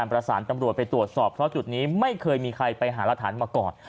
ประสานตำรวจไปตรวจสอบเพราะจุดนี้ไม่เคยมีใครไปหารักฐานมาก่อน